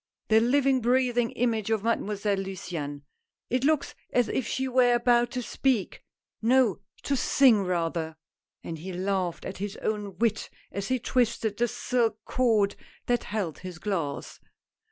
"The living breathing image of Mademoiselle Luciane. It looks as if she were about to speak — no — to sing rather !" and he laughed at his own wit as he twisted the silk cord that held his glass.